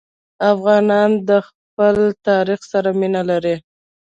افغانان د خپل تاریخ سره مینه لري.